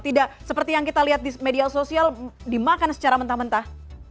tidak seperti yang kita lihat di media sosial dimakan secara mentah mentah